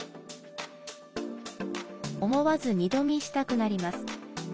思わず二度見したくなります。